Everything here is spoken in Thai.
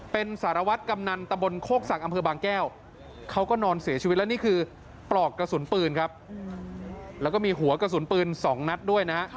ปรอกกระสุนปืนครับแล้วก็มีหัวกระสุนปืนสองนัดด้วยนะฮะ